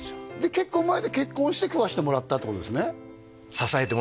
結婚前で結婚して食わせてもらったってことですね